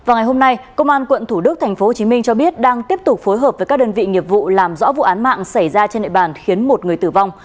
vào ngày hôm nay công an quận thủ đức tp hcm cho biết đang tiếp tục phối hợp với các đơn vị nghiệp vụ làm rõ vụ án mạng xảy ra trên địa bàn khiến một người tử vong